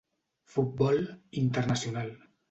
Futbol Internacional.